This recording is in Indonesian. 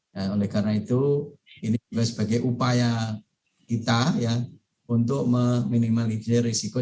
nah oleh karena itu ini juga sebagai upaya kita ya untuk meminimalisir risiko